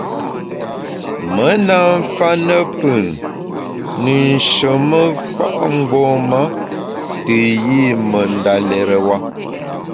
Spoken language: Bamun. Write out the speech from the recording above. Me na mfa ne pùn ne nsheme fa’ mgbom-a te yi me ndalérewa.